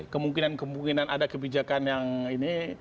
kemungkinan kemungkinan ada kebijakan yang ini